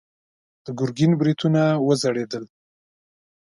د ګرګين برېتونه وځړېدل.